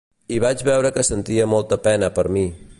I vaig veure que sentia molta pena per mi.